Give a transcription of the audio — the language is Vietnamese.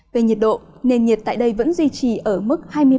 về nhiệt độ nền nhiệt tại đây vẫn duy trì ở mức hai mươi ba ba mươi ba độ